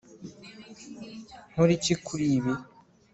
Nkore iki kuri ibi